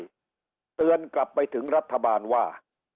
เตือนกลับไปถึงรัฐบาลว่า